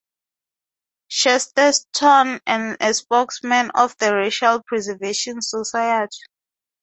Chesterton and a spokesman of the Racial Preservation Society.